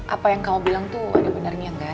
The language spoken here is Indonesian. apa yang kamu bilang tuh ada benarnya enggak